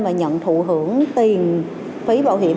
mà nhận thụ hưởng tiền phí bảo hiểm